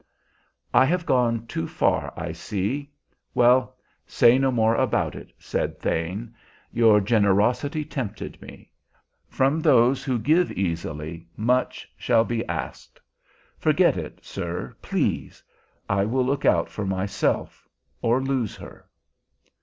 "I have gone too far, I see. Well, say no more about it," said Thane. "Your generosity tempted me. From those who give easily much shall be asked. Forget it, sir, please. I will look out for myself, or lose her."